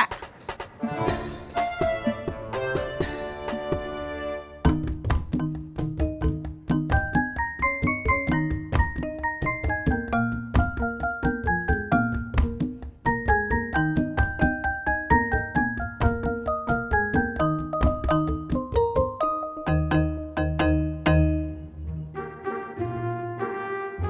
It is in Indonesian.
gue sama bapaknya